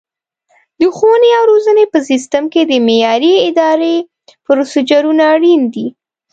د ښوونې او روزنې په سیستم کې د معیاري ادرایې پروسیجرونه اړین دي.